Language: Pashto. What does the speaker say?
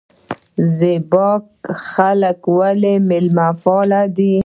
زیباک خلک ولې میلمه پال دي؟